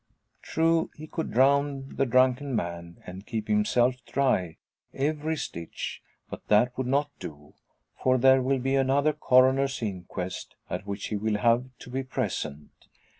True, he could drown the drunken man, and keep himself dry every stitch. But that would not do. For there will be another coroner's inquest, at which he will have to be present.